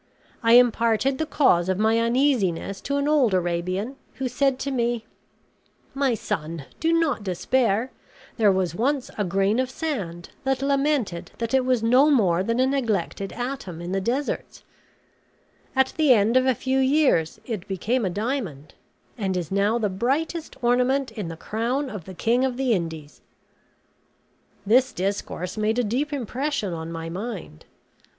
I imparted the cause of my uneasiness to an old Arabian, who said to me: 'My son, do not despair; there was once a grain of sand that lamented that it was no more than a neglected atom in the deserts; at the end of a few years it became a diamond; and is now the brightest ornament in the crown of the king of the Indies.' This discourse made a deep impression on my mind.